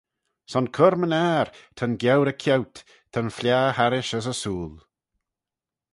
Son cur-my-ner ta'n geurey ceaut, ta'n fliaghey harrish as ersooyl.